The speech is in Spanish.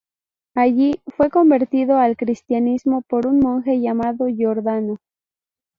Allí, fue convertido al cristianismo por un monje llamado Jordano.